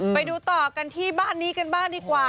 ไปดูต่อกันที่บ้านนี้กันบ้างดีกว่า